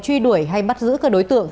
truy đuổi hay bắt giữ các đối tượng